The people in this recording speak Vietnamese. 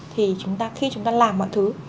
thì khi chúng ta làm mọi thứ